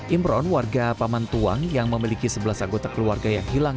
imron warga paman tuang yang memiliki sebelas anggota keluarga yang hilang